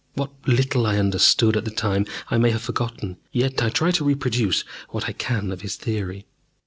What little I understood at the time I may have forgotten, yet I try to reproduce what I can of his theory.